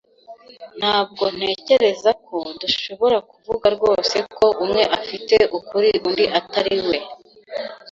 Ntabwo ntekereza ko dushobora kuvuga rwose ko umwe afite ukuri undi atari we.